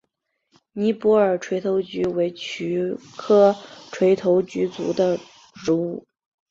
尼泊尔垂头菊为菊科垂头菊属的植物。